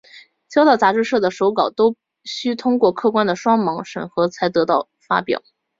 交到杂志社的手稿都须通过客观的双盲审核才能得到发表。